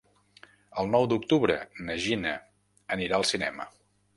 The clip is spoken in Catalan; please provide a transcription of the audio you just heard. El nou d'octubre na Gina anirà al cinema.